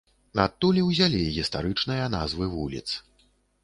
Адтуль і ўзялі гістарычныя назвы вуліц.